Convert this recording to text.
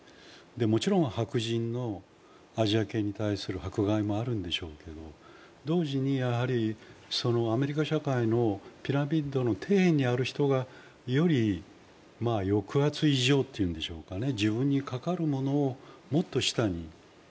もちろん白人のアジア系に対する迫害もあるんでしょうけれども、同時に、アメリカ社会のピラミッドの底辺にある人が、より抑圧異常というんでしょうかね、自分にかかるものをもっと下に。